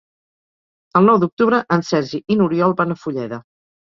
El nou d'octubre en Sergi i n'Oriol van a Fulleda.